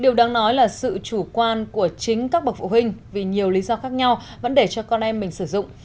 điều đáng nói là sự chủ quan của chính các bậc phụ huynh vì nhiều lý do khác nhau vẫn để cho con em mình sử dụng